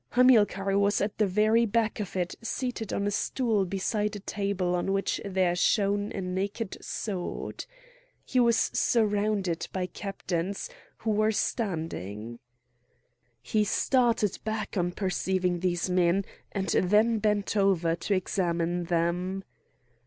Hamilcar was at the very back of it seated on a stool beside a table on which there shone a naked sword. He was surrounded by captains, who were standing. He started back on perceiving these men, and then bent over to examine them.